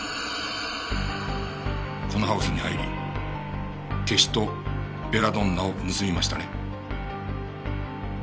このハウスに入りケシとベラドンナを盗みましたね？